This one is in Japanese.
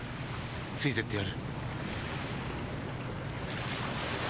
ついてってやる。